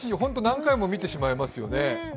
何回も見てしまいますよね。